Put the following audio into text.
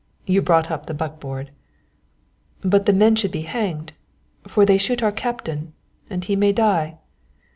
You brought up the buckboard?" "But the men should be hanged for they shot our captain, and he may die."